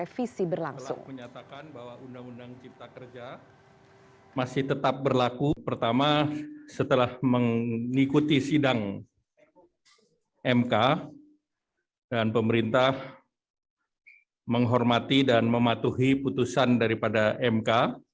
pertama setelah mengikuti sidang mk dan pemerintah menghormati dan mematuhi putusan daripada mk